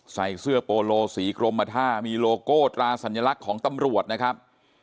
ใส่เสื้อโปโลสีกรมท่ามีโลโก้ตราสัญลักษณ์ของตำรวจนะครับ